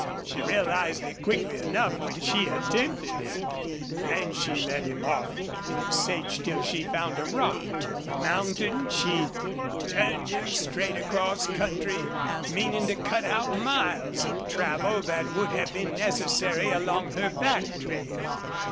She realized it quickly enough when she attempted it. Then she led him off in the sage till she found a rock. Mounting, she turned him straight across country, meaning to cut out miles of travel that would have been necessary along her back trail.